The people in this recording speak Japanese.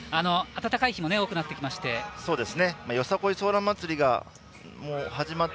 暖かい日も多くなってきた札幌です。